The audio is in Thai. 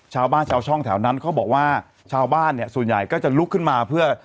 ชาวบ้านชาวช่องแถวนั้นเขาบอกว่าชาวบ้านเนี่ยส่วนใหญ่ก็จะลุกขึ้นมาเพื่อ